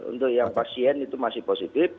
untuk yang pasien itu masih positif